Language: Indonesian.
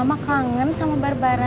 mama kangen sama barbara